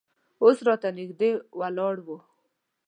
اوس راته نږدې ولاړ و.